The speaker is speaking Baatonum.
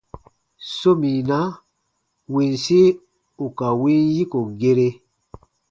Sominaa winsi ù ka win yiko gere.